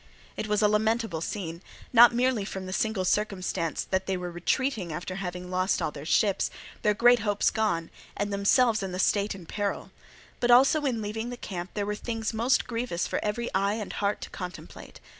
It was a lamentable scene, not merely from the single circumstance that they were retreating after having lost all their ships, their great hopes gone, and themselves and the state in peril; but also in leaving the camp there were things most grievous for every eye and heart to contemplate.